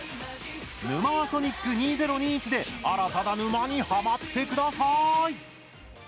「ヌマーソニック２０２１」で新たな沼にはまってください。